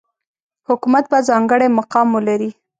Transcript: حکومت به ځانګړی مقام ولري.